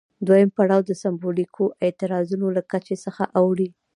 دویم پړاو د سمبولیکو اعتراضونو له کچې څخه اوړي.